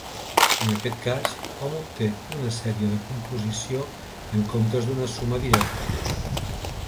En aquest cas, hom obté una sèrie de composició, en comptes d'una suma directa.